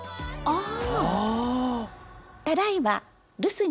ああ！